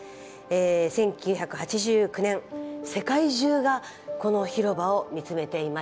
１９８９年世界中がこの広場を見つめていました。